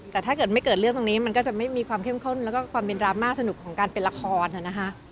แต่ถ้าเกิดไม่เกิดเรื่องตรงนี้มันก็จะไม่มีความเข้มข้นแล้วก็ความเป็นดราม่าสนุกของการเป็นละครนะคะ